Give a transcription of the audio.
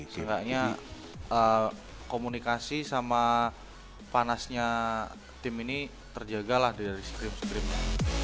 seenggaknya komunikasi sama panasnya tim ini terjaga lah dari scrim scrimnya